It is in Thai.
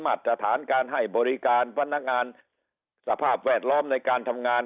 มาตรฐานการให้บริการพนักงานสภาพแวดล้อมในการทำงาน